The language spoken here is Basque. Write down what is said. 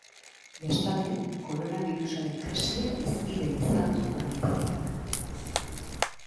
Bestalde, koronabirusaren krisia hizpide izan du agintariak.